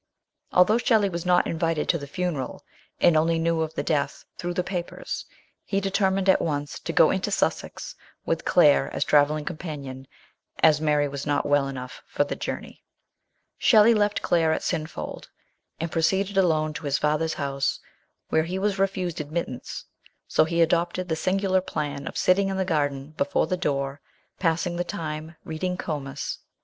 Although Shelley was not invited to the funeral, and only knew of the death through the papers, he determined at once to go into Sussex, with Claire as travelling companion, as Mary was not well enough for the journey. Shelley left Claire at Slinfold, and pro ceeded alone to his father's house, where he was refused admittance; so he adopted the singular plan of sitting in the garden, before the door, passing the time by reading Comus.